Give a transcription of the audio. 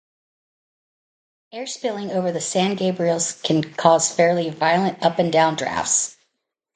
Air spilling over the San Gabriels can cause fairly violent up- and downdrafts.